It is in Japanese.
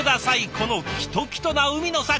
このきときとな海の幸！